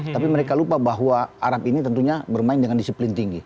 tapi mereka lupa bahwa arab ini tentunya bermain dengan disiplin tinggi